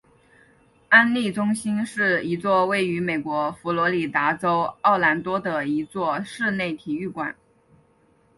安丽中心是一座位于美国佛罗里达州奥兰多的一座室内体育馆。